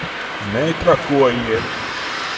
Netrakojiet!